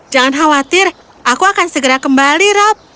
jangan khawatir aku akan segera kembali rob